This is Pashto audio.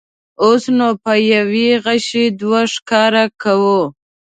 اوس نو په یوه غیشي دوه ښکاره کوو.